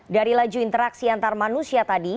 dari laju interaksi antar manusia tadi